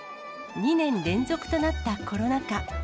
２年連続となったコロナ禍。